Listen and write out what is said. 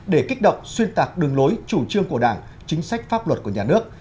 để kích động xuyên tạc đường lối chủ trương của đảng chính sách pháp luật của nhà nước